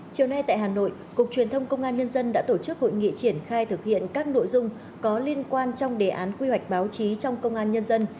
chiều nay tại hà nội cục truyền thông công an nhân dân đã tổ chức hội nghị triển khai thực hiện các nội dung có liên quan trong đề án quy hoạch báo chí trong công an nhân dân